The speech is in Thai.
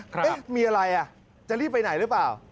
ครับนะครับมีอะไรก่อนจะรีบไปไหนหรือเปล่า